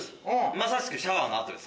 まさしくシャワーの跡です